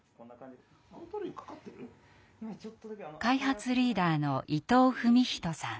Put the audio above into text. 開発リーダーの伊藤史人さん。